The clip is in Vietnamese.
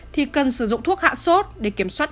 thì cần sử dụng thuốc hạ sốt để kiểm soát